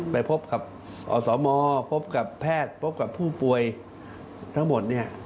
ไปพบกับอสมพบกับแพทย์พบกับผู้ป่วยทั้งหมดเนี่ย